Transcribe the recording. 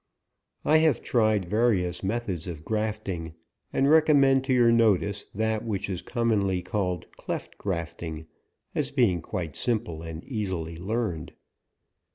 I have tried various methods of grafting, and recommend to your notice that which is commonly called cleft grafting, as being quite simple, and easily learned.